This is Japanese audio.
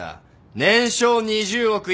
年商２０億一